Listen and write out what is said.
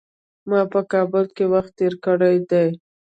ما په کابل کي وخت تېر کړی دی .